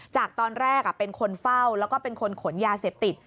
จากตอนแรกเป็นคนเฝ้าแล้วก็เป็นคนขนยาเสพติด